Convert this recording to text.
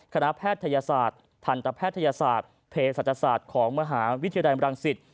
คณะแพทยศาสตร์ทันตะแพทยศาสตร์เพศัตริยศาสตร์ของมหาวิทยาลัยมรังศิษฐ์